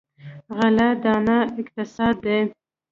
غله دانه اقتصاد دی.